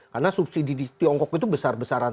karena subsidi di tiongkok itu besar besaran